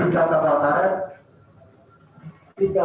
tiga kapal karet